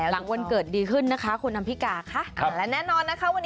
หลังวันเกิดดีขึ้นกรุณพิการนะครับ